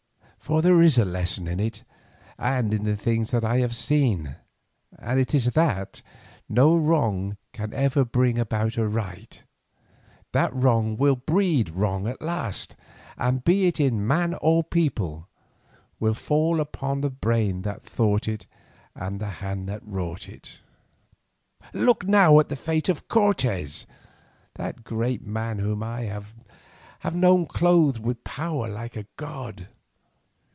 For there is a lesson in it and in the things that I have seen, and it is that no wrong can ever bring about a right, that wrong will breed wrong at last, and be it in man or people, will fall upon the brain that thought it and the hand that wrought it. Look now at the fate of Cortes—that great man whom I have known clothed with power like a god.